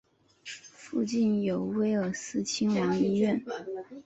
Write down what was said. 附近有威尔斯亲王医院。